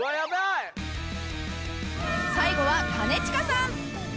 最後は兼近さん